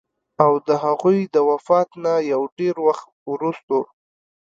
او د هغوي د وفات نه يو ډېر وخت وروستو